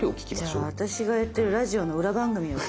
じゃあ私がやってるラジオの裏番組を。